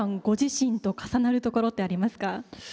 ご自身と重なるところってありますか？